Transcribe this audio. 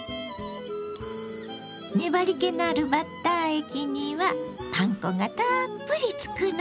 粘りけのあるバッター液にはパン粉がたっぷりつくの。